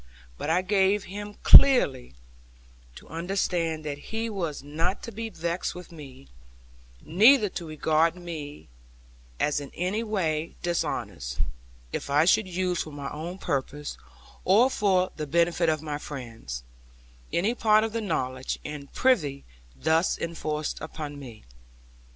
But I gave him clearly to understand that he was not to be vexed with me, neither to regard me as in any way dishonest, if I should use for my own purpose, or for the benefit of my friends, any part of the knowledge and privity thus enforced upon me.